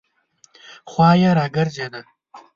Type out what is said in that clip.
خوا یې راګرځېده.